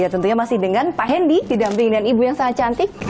tentunya masih dengan pak hendy didamping dengan ibu yang sangat cantik